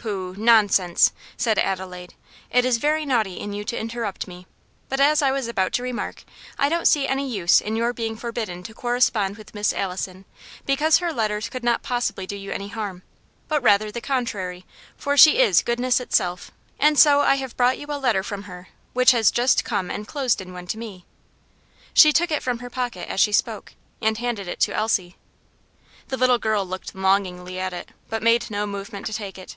"Pooh! nonsense!" said Adelaide, "it is very naughty in you to interrupt me; but, as I was about to remark, I don't see any use in your being forbidden to correspond with Miss Allison, because her letters could not possibly do you any harm, but rather the contrary, for she is goodness itself and so I have brought you a letter from her which has just come enclosed in one to me." She took it from her pocket as she spoke, and handed it to Elsie. The little girl looked longingly at it, but made no movement to take it.